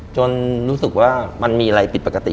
จนรู้สึกว่ามันมีอะไรผิดปกติ